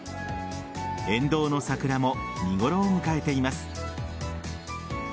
沿道の桜も見頃を迎えています。